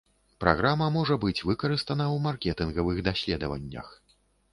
Праграма можа быць выкарыстана ў маркетынгавых даследаваннях.